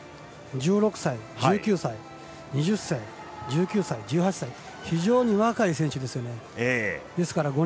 １６歳、１９歳、２０歳１９歳、１８歳非常に若い選手ですよね。